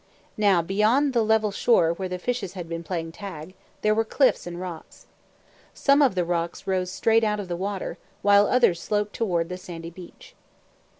Now beyond the level shore where the fishes had been playing tag, there were cliffs and rocks. Some of the rocks rose straight out of the water, others sloped toward the sandy beach.